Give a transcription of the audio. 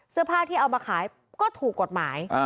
เสื้อผ้าที่เอามาขายก็ถูกกฎหมาย